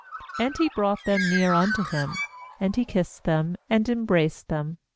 And he brought them near unto him; and he kissed them, and embraced them.